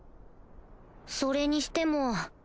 それにしても